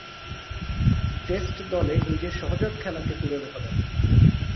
Test দলে নিজের সহজাত খেলাকে তুলে ধরেন।